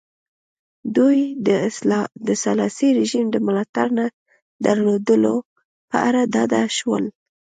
دوی د سلاسي رژیم د ملاتړ نه درلودلو په اړه ډاډه شول.